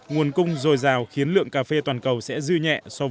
nguồn cung dồi dào khiến lượng cà phê toàn cầu sẽ dư nhẹ so với tỉnh